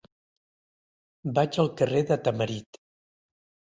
Vaig al carrer de Tamarit.